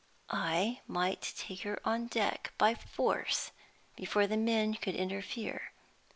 I might take her on deck by force before the men could interfere.